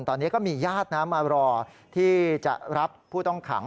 ตอนนี้ก็มีญาตินะมารอที่จะรับผู้ต้องขัง